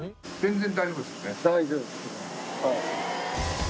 大丈夫ですはい。